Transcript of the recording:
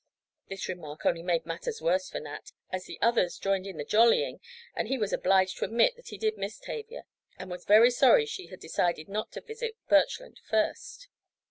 This remark only made matters worse for Nat, as the others joined in the "jollying" and he was obliged to admit that he did miss Tavia, and was very sorry she had decided not to visit Birchland first.